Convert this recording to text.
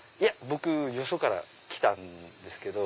僕よそから来たんですけど。